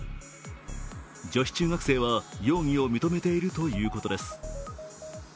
女子中学生は容疑を認めているということです。